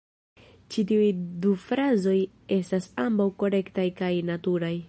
Ĉi tiuj du frazoj estas ambaŭ korektaj kaj naturaj.